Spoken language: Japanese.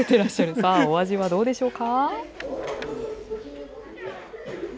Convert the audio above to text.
さあ、お味はどうでしょうか？